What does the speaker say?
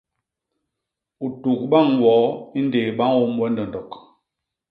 U tuk bañ woo i ndéé ba ñôm we ndondok.